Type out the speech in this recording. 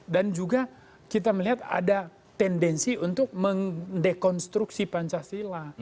dan juga kita melihat ada tendensi untuk mendekonstruksi pancasila